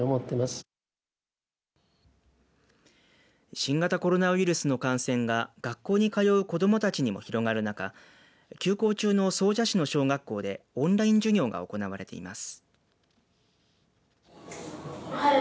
新型コロナウイルスの感染が学校に通う子どもたちにも広がる中休校中の総社市の小学校でオンライン授業が行われています。